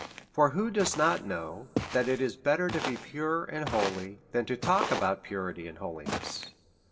For who does not know that it is better to be pure and holy than to talk about purity and holiness?